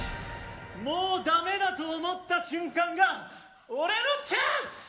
もうダメだと思った瞬間が俺のチャンス！